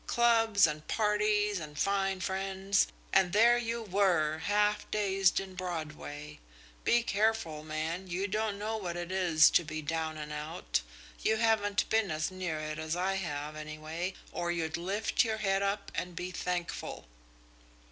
Clubs and parties and fine friends, and there you were, half dazed in Broadway! Be careful, man. You don't know what it is to be down and out. You haven't been as near it as I have, anyway, or you'd lift your head up and be thankful."